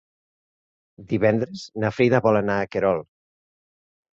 Divendres na Frida vol anar a Querol.